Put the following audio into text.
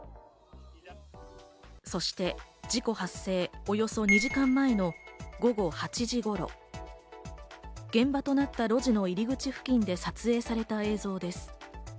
そして事故発生およそ２時間前の午後８時頃、現場となった路地の入口付近で撮影された映像です。